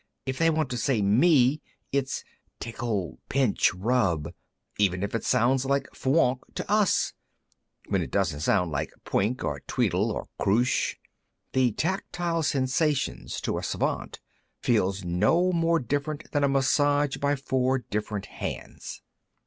If they want to say, 'Me,' it's tickle pinch rub, even if it sounds like fwoonk to us, when it doesn't sound like pwink or tweelt or kroosh. The tactile sensations, to a Svant, feel no more different than a massage by four different hands.